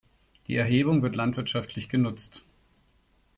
Die Erhebung wird landwirtschaftlich genutzt.